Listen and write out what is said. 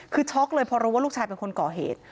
คือช็อกเลยเพราะรู้ว่าลูกชายเป็นคนก่อเหตุ